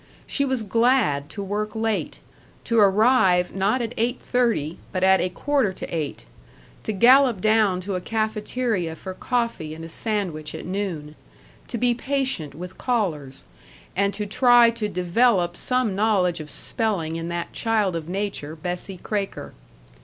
She was glad to work late, to arrive not at eight thirty, but at a quarter to eight, to gallop down to a cafeteria for coffee and a sandwich at noon, to be patient with callers, and to try to develop some knowledge of spelling in that child of nature, Bessie Kraker.